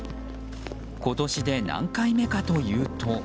今年で何回目かというと。